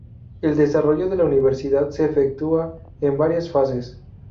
El desarrollo de la universidad se efectúa en varias fases.